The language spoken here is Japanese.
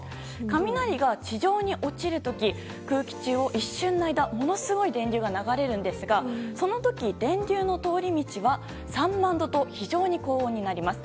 雷が地上に落ちる時空気中を一瞬の間ものすごい電流が流れるんですがその時の電流の通り道は３万度と非常に高温になります。